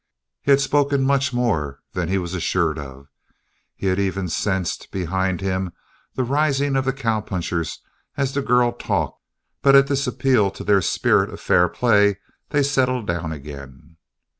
He had spoken much more than he was assured of. He had even sensed, behind him, the rising of the cowpunchers as the girl talked but at this appeal to their spirit of fair play they settled down again.